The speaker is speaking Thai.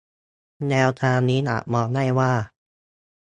แนวทางนี้อาจมองได้ว่า